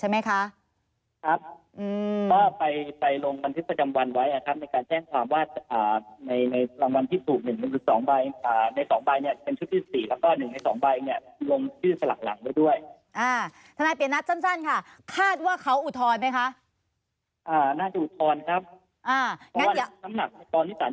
ไม่ได้มั่นใจอะไรนะครับในส่วนนี้